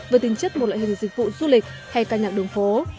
với tính chất một loại hình dịch vụ du lịch hay ca nhạc đường phố